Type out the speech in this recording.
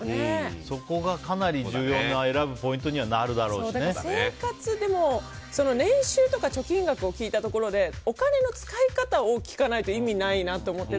そこがかなり重要な選ぶポイントに生活でも、年収とか貯金額を聞いたところでお金の使い方を聞かないと意味ないなと思って。